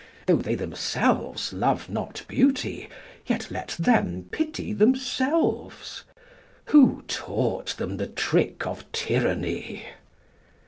Though they themselves love not Beauty, yet let them pity themselves. Who taught them the trick of tyranny?